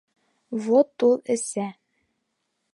Вот ул эсә!